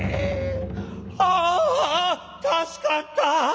「あ助かった。